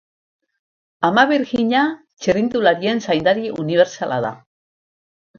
Ama Birjina, txirrindularien zaindari unibertsala da.